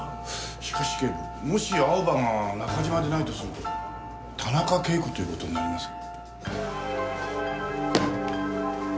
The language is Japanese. しかし警部もしアオバが中島じゃないとすると田中啓子という事になりますよ。